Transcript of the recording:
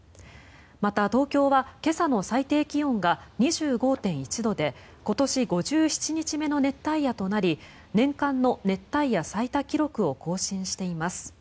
また、東京は今朝の最低気温が２５．１度で今年５７日目の熱帯夜となり年間の熱帯夜最多記録を更新しています。